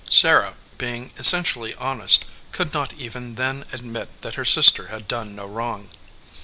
Sarah, being essentially honest, could not even then admit that her sister had done no wrong.